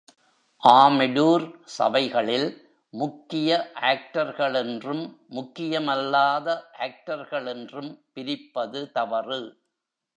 ஆமெடூர் சபைகளில், முக்கிய ஆக்டர்களென்றும் முக்கியமல்லாத ஆக்டர்களென்றும் பிரிப்பது தவறு.